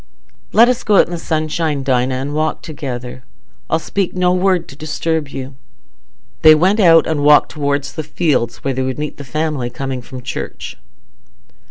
"Let us go out into the sunshine, Dinah, and walk together. I'll speak no word to disturb you." They went out and walked towards the fields, where they would meet the family coming from church.